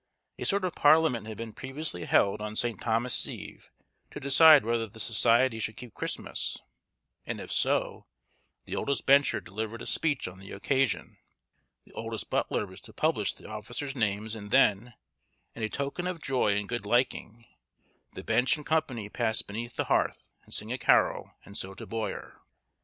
A sort of parliament had been previously held on St. Thomas's Eve to decide whether the Society should keep Christmas; and if so, the oldest bencher delivered a speech on the occasion, the oldest butler was to publish the officers' names, and then, "in token of joy and good liking, the bench and company pass beneath the hearth, and sing a carol, and so to boyer."